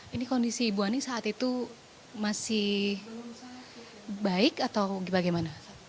ini kondisi ibu ani saat itu masih baik atau bagaimana